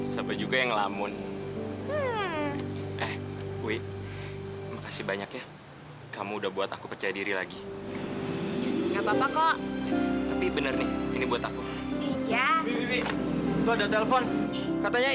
sampai jumpa di video selanjutnya